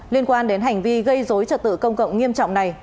liên quan đến hành vi gây dối trật tự công cộng nghiêm trọng này